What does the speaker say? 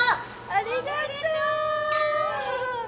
ありがとう。